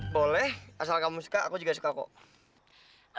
boleh asal kamu suka aku juga suka kok